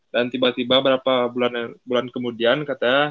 dan tiba tiba berapa bulan kemudian kata